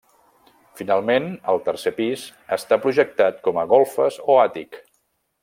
Finalment, el tercer pis, està projectat com a golfes o àtic.